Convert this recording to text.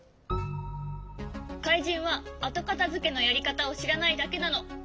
「かいじんはあとかたづけのやりかたをしらないだけなの」。